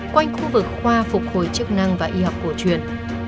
quanh khu vực khoa phục hồi chức năng và y học cổ truyền